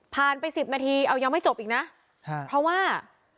ผ่านไปสิบมันทีเอายังไม่จบอีกนะฮะเพราะว่า